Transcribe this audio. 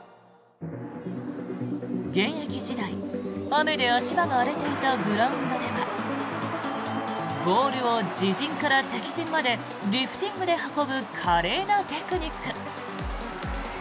現役時代、雨で足場が荒れていたグラウンドではボールを自陣から敵陣までリフティングで運ぶ華麗なテクニック。